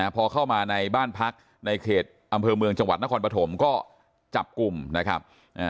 พอเข้ามาในบ้านพักในเขตอำเภอเมืองจังหวัดนครปฐมก็จับกลุ่มนะครับ